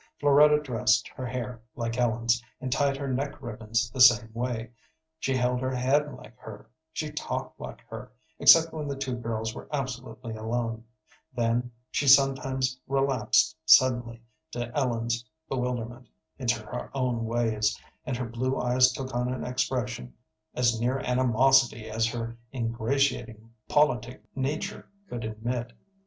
Floretta dressed her hair like Ellen's, and tied her neck ribbons the same way; she held her head like her, she talked like her, except when the two girls were absolutely alone; then she sometimes relapsed suddenly, to Ellen's bewilderment, into her own ways, and her blue eyes took on an expression as near animosity as her ingratiating politic nature could admit.